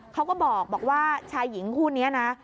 เขาก็บอกว่าชายหญิงคู่นี้นะ